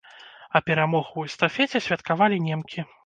А перамогу ў эстафеце святкавалі немкі.